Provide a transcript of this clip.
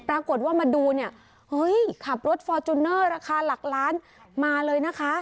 ปรากฏว่ามาดูเนี่ยเฮ้ยขับรถฟอร์จูเนอร์ราคาหลักล้านมาเลยนะคะ